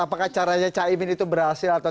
apakah caranya c imin itu berhasil atau